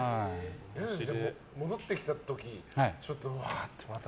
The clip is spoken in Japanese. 戻ってきた時ちょっと、うわーって。